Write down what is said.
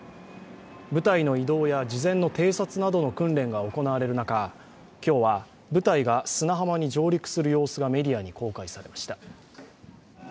部隊の移動や事前の偵察などの訓練が行われる中、今日は部隊が砂浜に上陸する様子がメディアに公開されました。